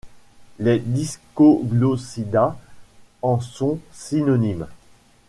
Les Discoglossidae en sont synonymes.